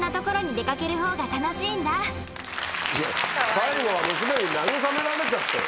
最後は娘に慰められちゃったよ。